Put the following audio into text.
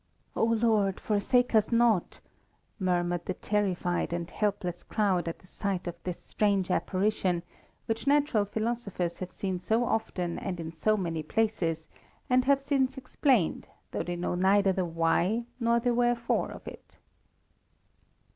"O Lord, forsake us not!" murmured the terrified and helpless crowd at the sight of this strange apparition, which natural philosophers have seen so often and in so many places, and have since explained, though they know neither the why nor the wherefore of it.